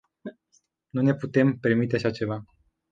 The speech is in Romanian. Nu ne putem permite așa ceva.